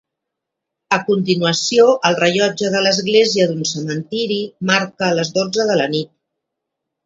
A continuació el rellotge de l'església d'un cementiri, marca les dotze de la nit.